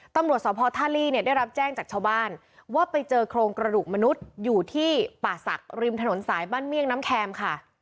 ตำรวจสภท่าลี่เนี่ยได้รับแจ้งจากชาวบ้านว่าไปเจอโครงกระดูกมนุษย์อยู่ที่ป่าศักดิ์ริมถนนสายบ้านเมี่ยงน้ำแคมค่ะ